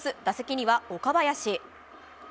打席には岡林。